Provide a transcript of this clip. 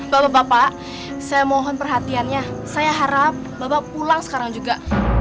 bapak bapak saya mohon perhatiannya saya harap bapak pulang sekarang juga